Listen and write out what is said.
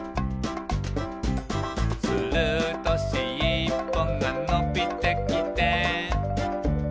「するとしっぽがのびてきて」